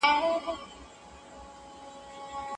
د ټولنپوهنې تیورۍ د بل علم په پرتله پیچلې تجربې وړاندې کوي.